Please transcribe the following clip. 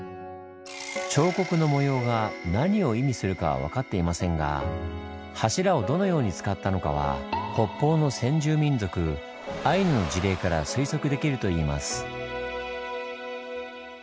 彫刻の模様が何を意味するかは分かっていませんが柱をどのように使ったのかは北方の先住民族アイヌの事例から推測できるといいます。